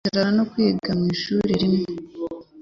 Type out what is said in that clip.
kwicarana no kwiga mu ishuri rimwe,